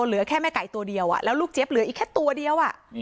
เหลือแค่แม่ไก่ตัวเดียวแล้วลูกเจี๊ยบเหลืออีกแค่ตัวเดียว